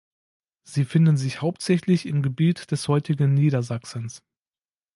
Sie finden sich hauptsächlich im Gebiet des heutigen Niedersachsens.